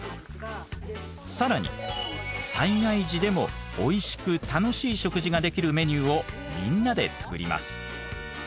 更に災害時でもおいしく楽しい食事ができるメニューをみんなで作ります。